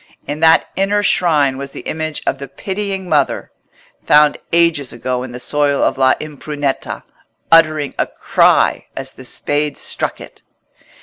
In that inner shrine was the image of the Pitying Mother, found ages ago in the soil of L'Impruneta, uttering a cry as the spade struck it.